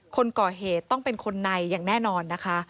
คนก่อเหตุต้องเป็นคนในอย่างแน่นอนนะคะ